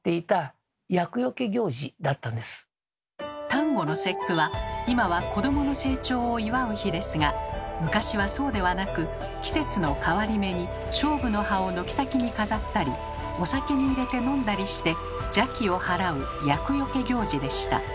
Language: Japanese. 端午の節句は今は子どもの成長を祝う日ですが昔はそうではなく季節の変わり目に菖蒲の葉を軒先に飾ったりお酒に入れて飲んだりして邪気を払う厄よけ行事でした。